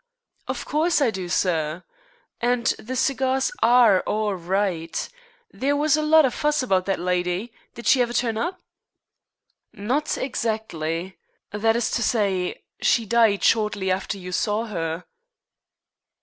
"Of course I do, sir. And the cigars are all right. There was a lot of fuss about that lydy. Did she ever turn up?" "Not exactly. That is to say, she died shortly after you saw her."